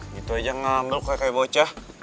gitu aja ngambil kayak bocah